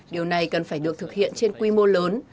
điều này cần phải được thực hiện trên quy mô lớn